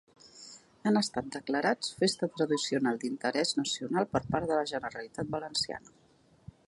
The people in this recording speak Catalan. Han estat declarats Festa Tradicional d'Interès Nacional per part de la Generalitat valenciana.